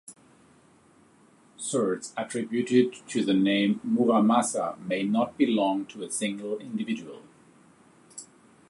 Swords attributed to the name Muramasa may not belong to a single individual.